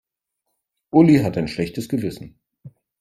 Uli hat ein schlechtes Gewissen.